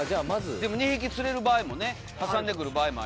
でも２匹釣れる場合もね挟んでくる場合もありますから。